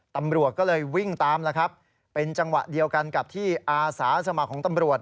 ตำรวจก็เลยวิ่งตามแล้วครับเป็นจังหวะเดียวกันกับที่อาสาสมัครของตำรวจ